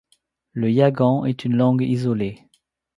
Le yagan est une langue isolée.